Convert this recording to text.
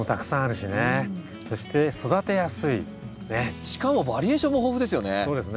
しかもバリエーションも豊富ですよね。